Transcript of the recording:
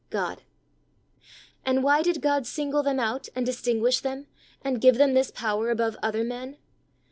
God. And why did God single them out and distinguish them, and give them this power above other men?